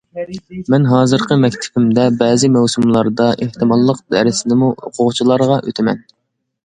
مەن ھازىرقى مەكتىپىمدە بەزى مەۋسۇملاردا ئېھتىماللىق دەرسىنىمۇ ئوقۇغۇچىلارغا ئوتىمەن.